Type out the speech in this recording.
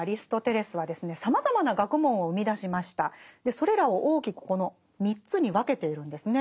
それらを大きくこの３つに分けているんですね。